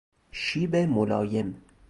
شیب ملایم